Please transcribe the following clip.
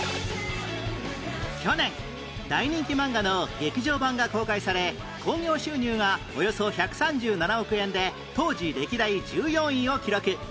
去年大人気漫画の劇場版が公開され興行収入がおよそ１３７億円で当時歴代１４位を記録